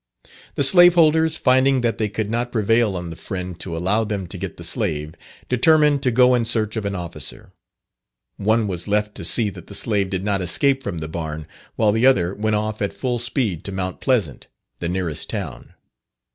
The slaveholders, finding that they could not prevail on the Friend to allow them to get the slave, determined to go in search of an officer. One was left to see that the slave did not escape from the barn, while the other went off at full speed to Mount Pleasant, the nearest town.